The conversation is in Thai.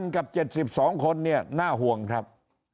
กับ๗๒คนเนี่ยน่าห่วงครับ